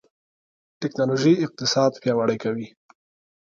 ټکنالوژي اقتصاد پیاوړی کوي.